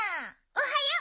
おはよう！